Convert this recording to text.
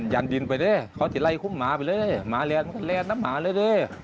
ยันดินไปด้วยเขาจะไล่คุ้มหมาไปเลยหมาแหลนกับแหลนน้ำหมาเลยด้วย